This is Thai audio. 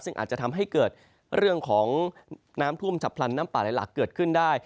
ซึ่งอาจจะทำให้เกิดเรื่องของน้ำท่วมฉับพลันน้ำป่าไหลหลักเกิดขึ้นได้